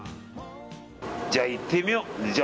じゃあ行ってみよう。